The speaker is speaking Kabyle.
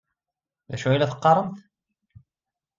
D acu ay la teqqaremt?